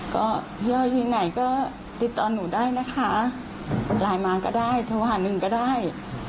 ก็ย่ออยู่ไหนก็ติดต่อหนูได้นะคะไลน์มาก็ได้โทรหาหนึ่งก็ได้